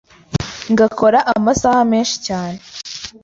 ngakora amasaha menshi cyane